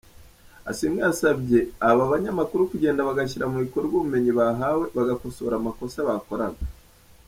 Asiimwe yasabye aba banyamakuru kugenda bagashyira mu bikorwa ubumenyi bahawe, bagakosora amakosa bakoraga.